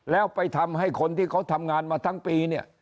แล้วไปทำให้คนที่เขาทำงานมาทั้งปีเนี่ย